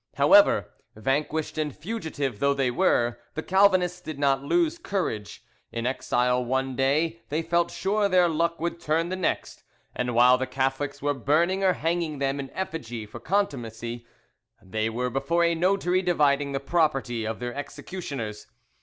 However, vanquished and fugitive though they were, the Calvinists did not lose courage: in exile one day, they felt sure their luck would turn the next; and while the Catholics were burning or hanging them in effigy for contumacy, they were before a notary, dividing the property of their executioners.